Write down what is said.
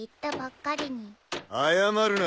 謝るな。